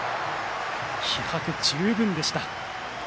気迫十分でした。